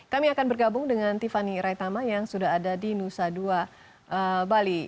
kami akan bergabung dengan tiffany raitama yang sudah ada di nusa dua bali